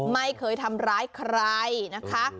ไม่เคยทำร้ายใครนะคะ